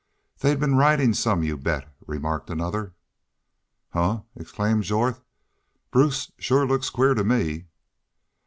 "They been ridin' some, you bet," remarked another. "Huh!" exclaimed Jorth. "Bruce shore looks queer to me."